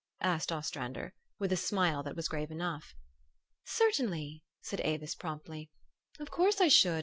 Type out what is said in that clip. asked Ostrander, with a smile that was grave enough. " Certainly," said Avis promptly. " Of course I should.